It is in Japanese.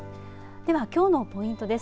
では、きょうのポイントです。